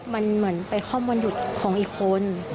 มันไปข้อมุนหยุดของอีกคน